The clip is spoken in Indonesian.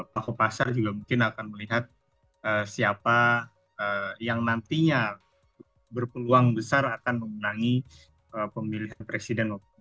paku pasar juga mungkin akan melihat siapa yang nantinya berpeluang besar akan memenangi pemilihan presiden